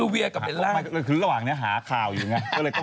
เวียเป็นอะไรอีก